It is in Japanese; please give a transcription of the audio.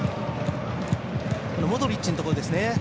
モドリッチのところですね。